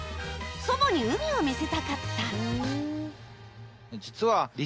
祖母に海を見せたかった